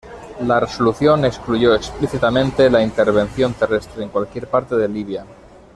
La resolución excluyó explícitamente la intervención terrestre en cualquier parte de Libia.